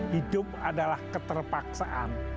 hidup adalah keterpaksaan